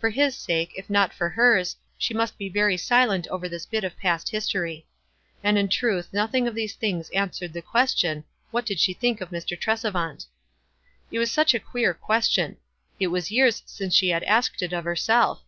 For his sake, if not for hers, she must be very silent over this bit of past history. And in truth none of these things answered the 62 WISE AND OTHEEWISE. question, What did she think of Mr. Tresevant? It was such a queer question. It was years since she had asked it of herself.